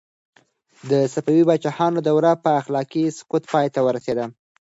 د صفوي پاچاهانو دوره په اخلاقي سقوط پای ته ورسېده.